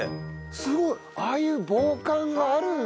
すごい！ああいう防寒があるんだ。